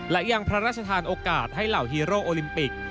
และยังพระราชทานโอกาสให้เหล่าฮีโร่โอลิมปิก